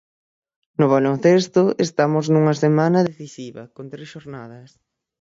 No baloncesto estamos nunha semana decisiva, con tres xornadas.